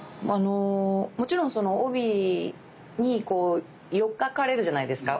もちろんその帯にこう寄っかかれるじゃないですか。